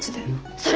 それ！